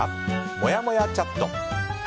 もやもやチャット。